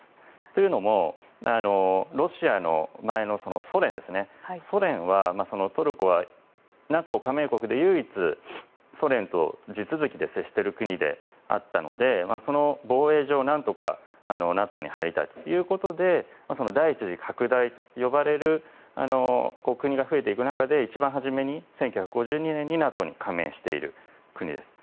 というのも、ロシアの前のソ連は、トルコはＮＡＴＯ加盟国で唯一ソ連と地続きで接している国であったのでその防衛上、何とかＮＡＴＯに入りたいということで第一次拡大と呼ばれる国が増えていく中で一番初めに１９５２年にＮＡＴＯに加盟している国です。